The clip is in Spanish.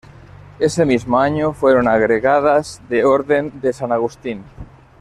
Ese mismo año fueron agregadas de Orden de San Agustín.